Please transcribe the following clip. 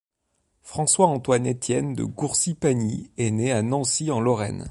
François Antoine Etienne de Gourcy-Pagny est né à Nancy en Lorraine.